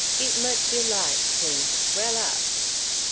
Eat much you like; till you swell up!"